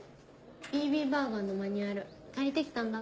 ＢＢバーガーのマニュアル借りて来たんだ。